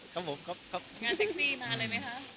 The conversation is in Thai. งานเซ็กซี่มาเลยไหมคะ